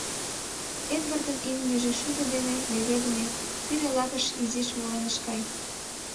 Эдвардын имньыже шудо дене леведме пире лакыш изиш волен ыш кай.